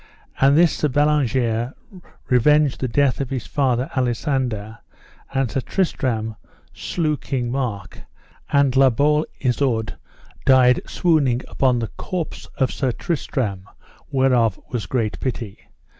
And this Sir Bellangere revenged the death of his father Alisander, and Sir Tristram slew King Mark, and La Beale Isoud died swooning upon the corse of Sir Tristram, whereof was great pity.